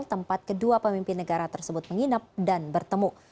tempat kedua pemimpin negara tersebut menginap dan bertemu